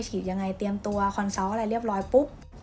ยังไงเตรียมตัวคอนเซาต์อะไรเรียบร้อยปุ๊บ